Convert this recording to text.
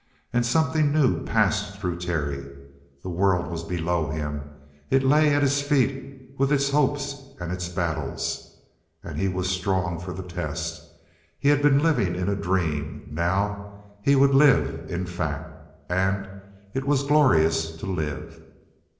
And something new passed through Terry. The world was below him; it lay at his feet with its hopes and its battles. And he was strong for the test. He had been living in a dream. Now he would live in fact. And it was glorious to live!